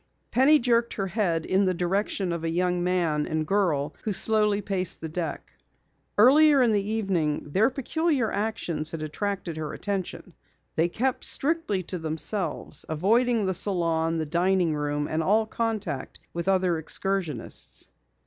Penny jerked her head in the direction of a young man and girl who slowly paced the deck. Earlier in the evening their peculiar actions had attracted her attention. They kept strictly to themselves, avoiding the salon, the dining room, and all contact with other excursionists.